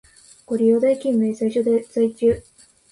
ご利用代金明細書在中